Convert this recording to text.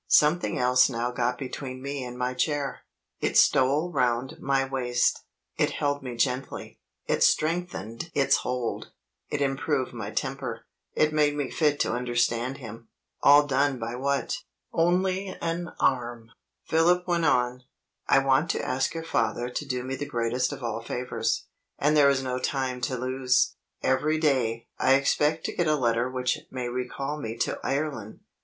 Something else now got between me and my chair. It stole round my waist it held me gently it strengthened its hold it improved my temper it made me fit to understand him. All done by what? Only an arm! Philip went on: "I want to ask your father to do me the greatest of all favors and there is no time to lose. Every day, I expect to get a letter which may recall me to Ireland."